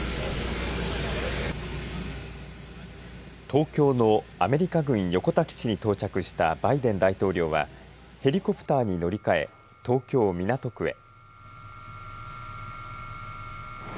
東京のアメリカ軍横田基地に到着したバイデン大統領はヘリコプターに乗り換え東京港区へ。